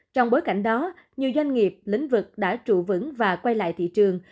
trong bối cảnh đó nhiều doanh nghiệp lĩnh vực đã trụ vững và quay lại thị trường